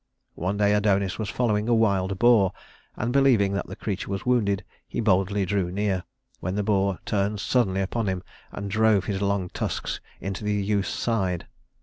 One day Adonis was following a wild boar, and believing that the creature was wounded, he boldly drew near, when the boar turned suddenly upon him and drove his long tusks into the youth's side.